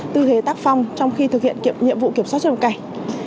tư thế tác phong trong khi thực hiện nhiệm vụ kiểm soát xuất nhập cảnh